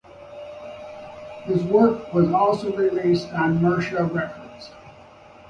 His work was also released on Misra Records.